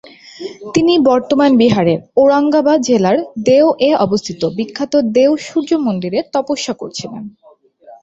তিনি বর্তমান বিহারের ঔরঙ্গাবাদ জেলার দেও-এ অবস্থিত বিখ্যাত দেও সূর্য মন্দিরে তপস্যা করেছিলেন।